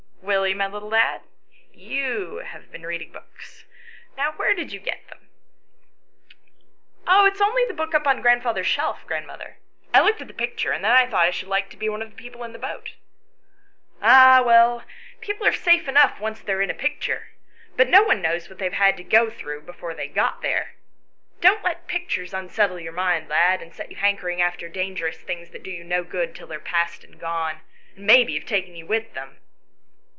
" Willie, my little lad," she said, " you have been reading books. Now, where did you get them ?" "It's only the book up on grandfather's shelf, grandmother. I looked at the picture, and then I thought I should like to be one of the people in the boat." " Ah, well, people are safe enough once they are in a picture, but no one knows what they have had to go through before they got there. Don't let pictures unsettle your mind, lad, and set you hankering after dangerous things that do you no good till they are past and gone, and maybe have taken you with them."